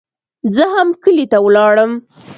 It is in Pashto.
زه هم کلي ته ولاړم.